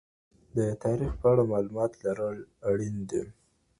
د تاریخ په اړه معلومات لرل اړین دي.